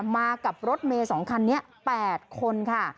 มากับรถเมย์๒คันนี้๘คนค่ะ